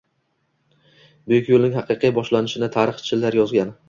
Buyuk yoʻlning haqiqiy boshlanishini tarixchilar yozgan.